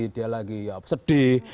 dia lagi sedih